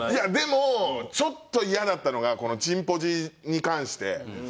でもちょっとイヤだったのがこの「チンポジ」に関して。